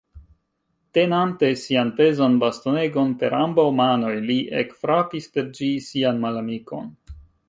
Tenante sian pezan bastonegon per ambaŭ manoj, li ekfrapis per ĝi sian malamikon.